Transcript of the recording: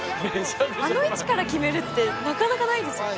あの位置から決めるってなかなかないですよね。